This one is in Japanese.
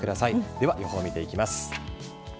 では、予報を見ていきましょう。